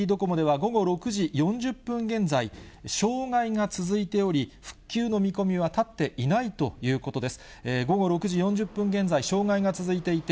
午後６時４０分現在、障害が続いていて、復旧の見込みは立っていないということです。